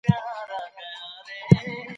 ډاکټر کمپبل وايي ساده حرکت ګټور دی.